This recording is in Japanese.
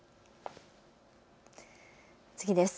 次です。